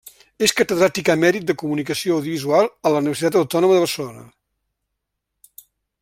És catedràtic emèrit de Comunicació Audiovisual a la Universitat Autònoma de Barcelona.